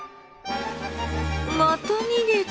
また逃げた。